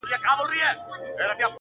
خدایه چي د مرگ فتواوي ودروي نور.